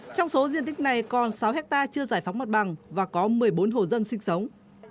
trong số diện tích này còn sáu ha chưa giải phóng mặt bằng và có một mươi bốn hồ dân sinh sống